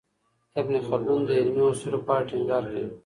ابن خلدون د علمي اصولو په اړه ټینګار کوي.